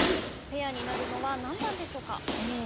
ペアになるのは何番でしょうか？